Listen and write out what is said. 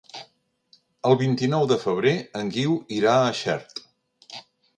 El vint-i-nou de febrer en Guiu irà a Xert.